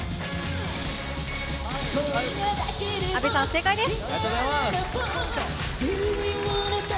阿部さん、正解です！